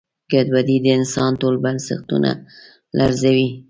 ګډوډي د انسان ټول بنسټونه لړزوي.